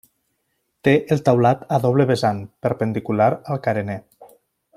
Té el teulat a doble vessant, perpendicular al carener.